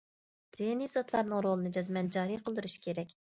دىنىي زاتلارنىڭ رولىنى جەزمەن جارى قىلدۇرۇش كېرەك.